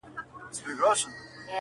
چي بیا به څه ډول حالت وي، د ملنگ~